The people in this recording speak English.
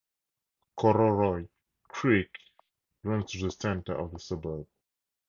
Kororoit Creek runs through the centre of the suburb.